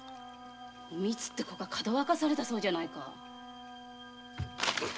おみつって子がかどわかされたそうじゃないか。